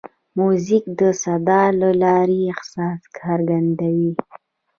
موزیک د صدا له لارې احساس څرګندوي.